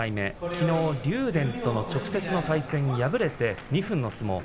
きのうは竜電との直接対戦は敗れて２分の相撲。